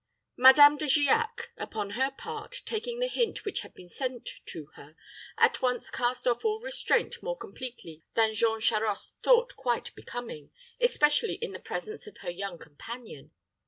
Madame De Giac, upon her part, taking the hint which had been sent to her, at once cast off all restraint more completely than Jean Charost thought quite becoming, especially in the presence of her young companion.